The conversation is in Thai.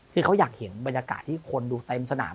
คือเขาอยากเห็นบรรยากาศที่คนดูเต็มสนาม